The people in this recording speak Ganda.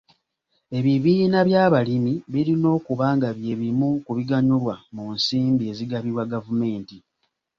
Ebibiina by'abalimi birina okuba nga by'ebimu ku biganyulwa mu nsimbi ezigabibwa gavumenti.